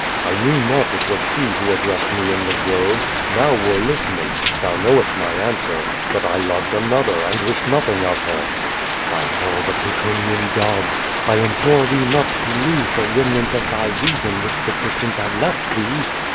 "I knew not it was she wlio addressed me in the grove. Tliou were listening. Thou knowest my ar.swer, that I loved another, and wishrd nothing of her." QUO VADI.S. 251 "By all the Plutonian gods! I implore thee not to lose the remnant of thy reason which the Christians have left thee!